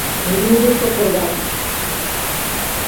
Күҙеңде соҡорҙар.